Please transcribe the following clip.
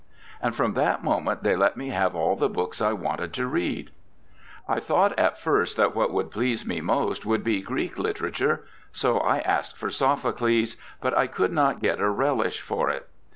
And from that moment they let me have all the books I wanted to read. I thought, at first, that what would please me most would be Greek literature, so I asked for Sophocles, but I could not get a relish for it.